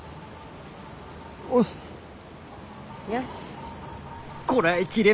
よし。